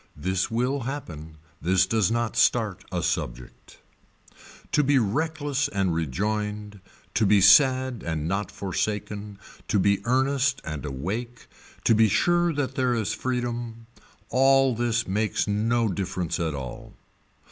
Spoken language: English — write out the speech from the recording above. This will happen. This does not start a subject. To be reckless and rejoined, to be sad and not forsaken, to be earnest and awake, to be sure that there is freedom, all this makes no difference at all.